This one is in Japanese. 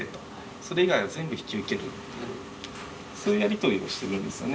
それ以外は全部引き受けるってそういうやりとりをしてるんですね。